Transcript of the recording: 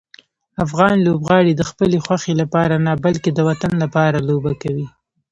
افغان لوبغاړي د خپلې خوښۍ لپاره نه، بلکې د وطن لپاره لوبه کوي.